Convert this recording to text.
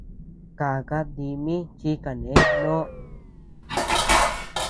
Kákaa ndimi chi kaneé noʼo.